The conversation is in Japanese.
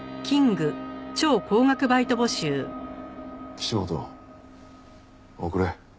岸本送れ。